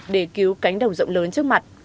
để cứu cánh đồng rộng lớn trước mặt